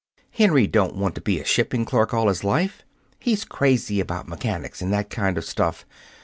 Henry don't want to be a shipping clerk all his life. He's crazy about mechanics and that kind of stuff.